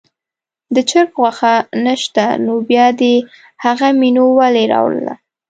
د چرګ غوښه نه شته نو بیا دې هغه مینو ولې راوړله.